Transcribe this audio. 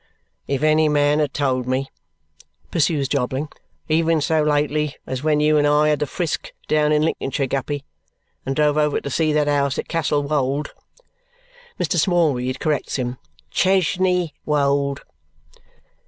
"If any man had told me," pursues Jobling, "even so lately as when you and I had the frisk down in Lincolnshire, Guppy, and drove over to see that house at Castle Wold " Mr. Smallweed corrects him Chesney Wold.